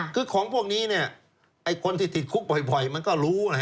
คือของพวกนี้คนที่ติดคุกบ่อยมันก็รู้